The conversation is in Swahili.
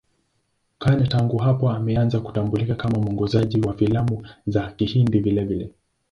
Khan tangu hapo ameanza kutambulika kama mwongozaji wa filamu za Kihindi vilevile.